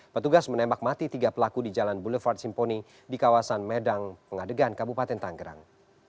petugas menembak mati tiga pelaku di jalan boulevard simponi di kawasan medang pengadegan kabupaten tanggerang